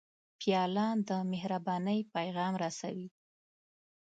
پیاله د مهربانۍ پیغام رسوي.